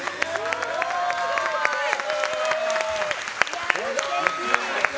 すごい！